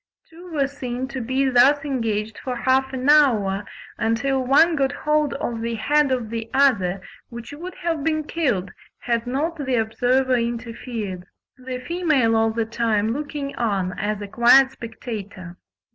Two were seen to be thus engaged for half an hour, until one got hold of the head of the other, which would have been killed had not the observer interfered; the female all the time looking on as a quiet spectator.